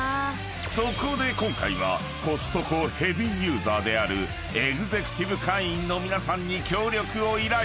［そこで今回はコストコヘビーユーザーであるエグゼクティブ会員の皆さんに協力を依頼］